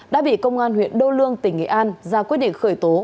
đã bị công an huyện đô lương tỉnh nghệ an ra quyết định khởi tố